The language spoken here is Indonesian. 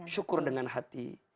syukur dengan hati